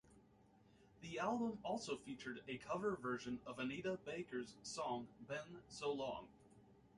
The album also featured a cover version of Anita Baker's song "Been So Long".